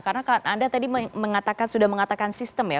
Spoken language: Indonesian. karena anda tadi sudah mengatakan sistem ya